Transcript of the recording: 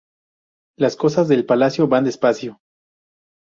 Las cosas de palacio van despacio